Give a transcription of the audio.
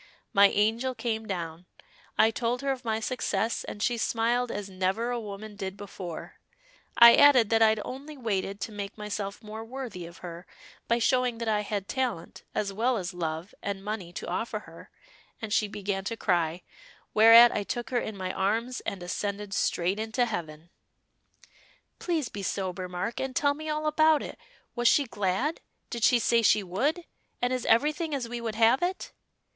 My angel came down; I told her of my success, and she smiled as never a woman did before; I added that I'd only waited to make myself more worthy of her, by showing that I had talent, as well as love and money to offer her, and she began to cry, whereat I took her in my arms and ascended straight into heaven." "Please be sober, Mark, and tell me all about it. Was she glad? Did she say she would? And is everything as we would have it?"